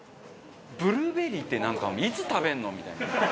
ブルーベリーってなんかいつ食べるの？みたいな。